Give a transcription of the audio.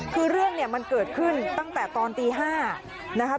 คือเรื่องเนี่ยมันเกิดขึ้นตั้งแต่ตอนตี๕นะครับ